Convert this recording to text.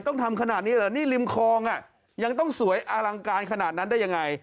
ต้องทำขนาดนี้เหรอนี่ริมคลองอ่ะยังต้องสวยอลังการขนาดนั้นได้ยังไง